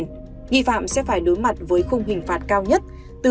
nghi phạm sẽ phải đối mặt với không hình phạt cao nhất